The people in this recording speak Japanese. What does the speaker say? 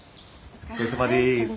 お疲れさまです。